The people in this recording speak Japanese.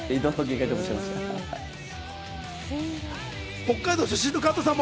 北海道出身の加藤さんも、